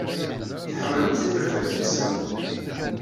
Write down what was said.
Tḥemmlemt ifelfel yedzen?